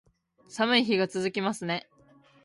寒い日が続きますね